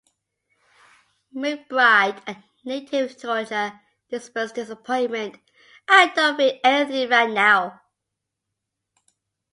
McBride, a native of Georgia, expressed disappointment: I don't feel anything right now...